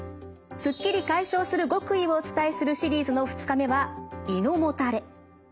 すっきり解消する極意をお伝えするシリーズの２日目は胃のもたれ。